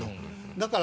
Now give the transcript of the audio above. だから。